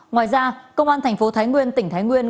ngoài ra công an thành phố thái nguyên tỉnh thái nguyên